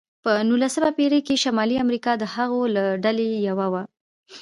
په نوولسمه پېړۍ کې شمالي امریکا د هغوی له ډلې یوه وه.